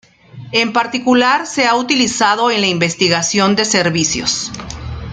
En particular, se ha utilizado en la investigación de servicios.